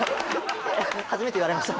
初めて言われました